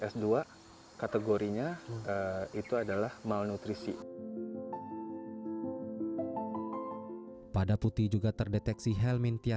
satwa ini melintas pada titik yang sama